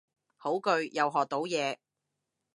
好句，又學到嘢